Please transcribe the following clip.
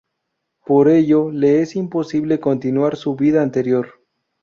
Por ello le es imposible continuar su vida anterior.